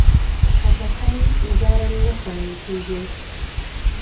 خټکی ګرم نه خوړل کېږي.